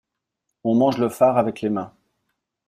On mange le far avec les mains.